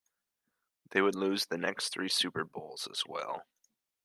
They would lose the next three Super Bowls as well.